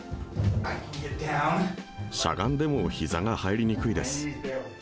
しゃがんでもひざが入りにくいです。